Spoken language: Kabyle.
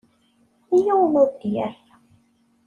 Yiwen ur d-yerri.